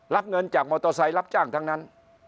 รับเงินจากมอเตอร์ไซค์รับจ้างทั้งนั้น